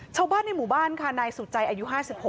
ชาวบ้านในหมู่บ้านค่ะนายสุจัยอายุ๕๖